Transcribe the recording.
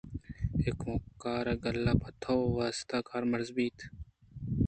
اے کُمکّار گالے پہ "تو" ءِ واست ءَ کارمرز بیت۔